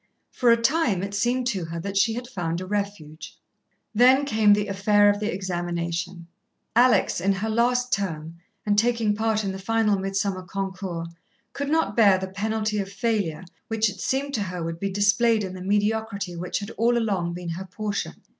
For a time, it seemed to her that she had found a refuge. Then came the affair of the examination. Alex, in her last term, and taking part in the final midsummer concours, could not bear the penalty of failure which it seemed to her would be displayed in the mediocrity which had all along been her portion.